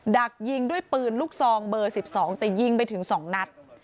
ดักยิงด้วยปืนลูกซองเบอร์๑๒แต่ยิงไปถึง๒นัด